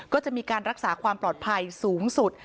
ก็จะมีการรักษาความปลอดภัยสูงสุด